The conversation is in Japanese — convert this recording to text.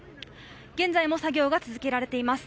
現在も作業が続けられています。